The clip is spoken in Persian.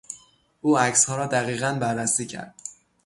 او عکسها را دقیقا بررسی کرد.